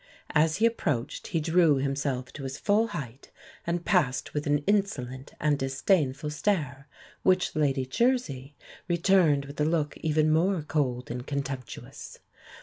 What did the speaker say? As he approached he drew himself to his full height, and passed with an insolent and disdainful stare, which Lady Jersey returned with a look even more cold and contemptuous.